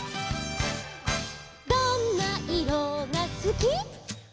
「どんないろがすき」「」